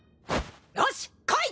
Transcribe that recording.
よし来い！